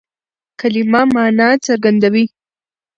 کلیمه مانا څرګندوي.